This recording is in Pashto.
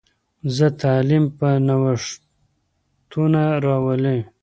زموږ تعلیم به نوښتونه راولي.